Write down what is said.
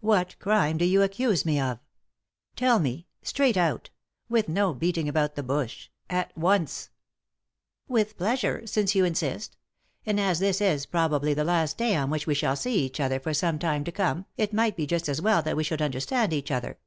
What crime do you accuse me of? Tell me — 278 3i 9 iii^d by Google THE INTERRUPTED KISS straight out !— with no beating about the bush 1 — at once I " "With pleasure, since you insist. And as this is probably the last day on which we shall see each other for some time to come, it might be just as well that we should understand each other.